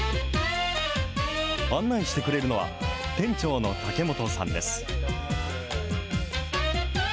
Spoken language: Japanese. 案内してくれるのは、店長の竹本さんです。